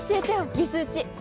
ビス打ち！